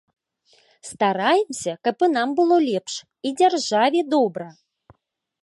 Стараемся, каб і нам было лепш, і дзяржаве добра.